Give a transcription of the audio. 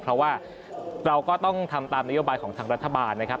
เพราะว่าเราก็ต้องทำตามนโยบายของทางรัฐบาลนะครับ